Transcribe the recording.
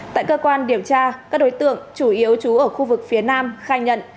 tại cơ quan điều tra các đối tượng chủ yếu trú ở khu vực phía nam khai nhận